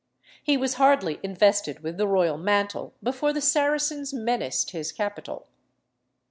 He was hardly invested with the royal mantle before the Saracens menaced his capital.